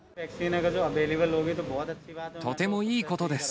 とてもいいことです。